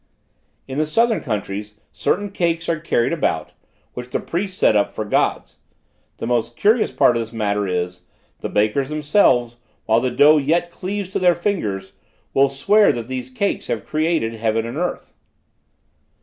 "In the southern countries, certain cakes are carried about, which the priests set up for Gods; the most curious part of this matter is, the bakers themselves, while the dough yet cleaves to their fingers, will swear that these cakes have created heaven and earth.